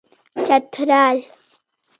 چترال